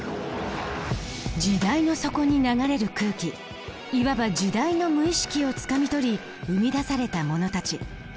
時代の底に流れる空気いわば時代の無意識をつかみ取り生み出されたものたち。